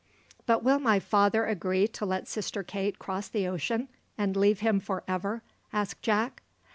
"But will my father agree to let sister Kate cross the ocean, and leave him for ever?" asked Jack.